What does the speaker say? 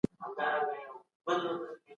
هوښیار استاد ماشومانو ته د مېوو خوړلو ګټې بیانوي.